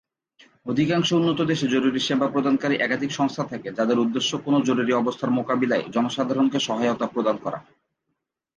অধিকাংশ উন্নত দেশে জরুরি সেবা প্রদানকারী একাধিক সংস্থা থাকে যাদের উদ্দেশ্য কোন জরুরি অবস্থার মোকাবিলায় জনসাধারণকে সহায়তা প্রদান করা।